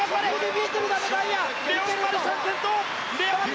レオン・マルシャン、先頭！